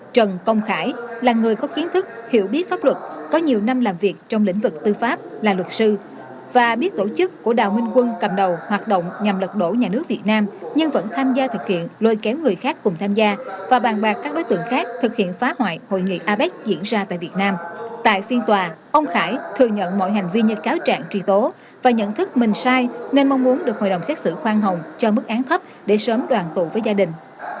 tại phiên tòa ông khải thừa nhận mọi hành vi như cáo trạng truy tố và nhận thức mình sai nên mong muốn được hội đồng xét xử khoan hồng cho mức án thấp để sớm đoàn tụ với gia đình